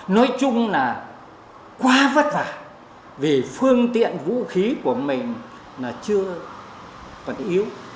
nói chung là quá vất vả vì phương tiện vũ khí của mình là chưa còn yếu